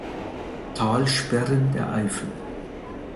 Talsperren der Eifel